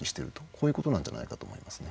こういうことなんじゃないかと思いますね。